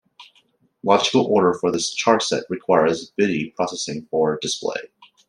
Logical order for this charset requires bidi processing for display.